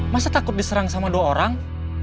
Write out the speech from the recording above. masa takut diserang sama dua orang